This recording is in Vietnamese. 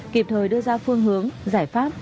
kịp thời đưa ra phương hướng giải pháp